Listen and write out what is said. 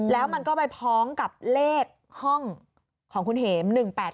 แล้วมันก็ไปพ้องกับเลขห้องของคุณเห็ม๑๘๘